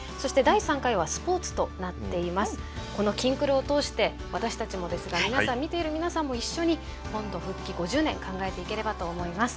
この「きんくる」を通して私たちもですが皆さん見ている皆さんも一緒に本土復帰５０年考えていければと思います。